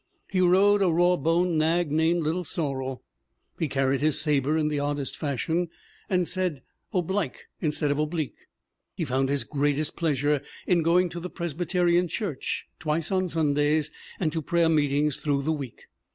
He rode a rawboned nag named Little Sor rel, he carried his saber in the oddest fashion, and said 'oblike' instead of 'oblique.' He found his greatest pleasure in going to the Presbyterian Church twice on Sundays and to prayer meetings through the week.